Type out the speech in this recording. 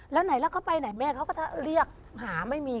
แล้วไหนแล้วเขาไปไหนแม่เขาก็เรียกหาไม่มี